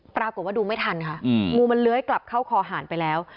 ปรากฏว่าดูไม่ทันค่ะงูมันเลื้อยกลับเข้าคอหารไปแล้ว